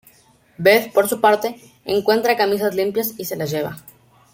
Beth, por su parte, encuentra camisas limpias y se las lleva.